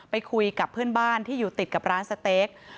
ไปคุยกับเพื่อนบ้านที่อยู่ติดกับร้านสเต๊ก